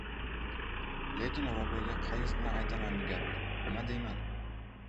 Lekin Robiyaga qay yuz bilan aytaman bu gapni! Nima deyman?